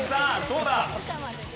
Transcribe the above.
どうだ？